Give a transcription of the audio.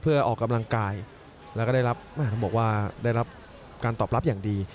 เพื่อออกกำลังกายแล้วก็ได้รับการตอบรับอย่างดี